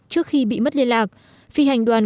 trước khi bị mất liên lạc phi hành đoàn